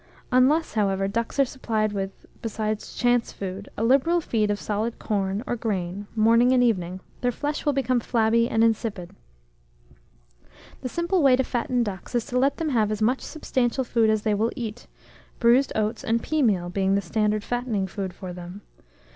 Unless, however, ducks are supplied with, besides chance food, a liberal feed of solid corn, or grain, morning and evening, their flesh will become flabby and insipid. The simple way to fatten ducks is to let them have as much, substantial food as they will eat, bruised oats and pea meal being the standard fattening food for them.